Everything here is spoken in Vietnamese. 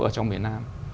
ở trong việt nam